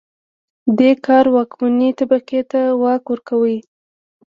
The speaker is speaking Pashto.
دې کار واکمنې طبقې ته واک ورکاوه